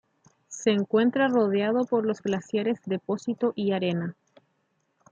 Se encuentra rodeado por los glaciares Depósito y Arena.